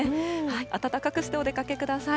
暖かくしてお出かけください。